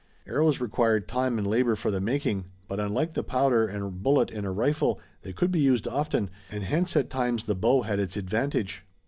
Arrows required time and labor for the making, but unlike the powder and bullet in a rifle, they could be used often, and hence at times the bow had its advantage.